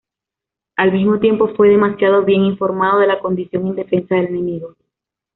Al mismo tiempo, fue demasiado bien informado de la condición indefensa del enemigo.